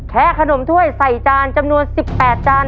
ขนมถ้วยใส่จานจำนวน๑๘จาน